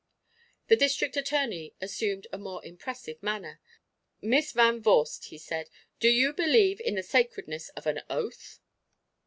The District Attorney assumed a more impressive manner. "Miss Van Vorst," he said, "do you believe in the sacredness of an oath?"